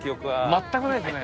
全くないですね。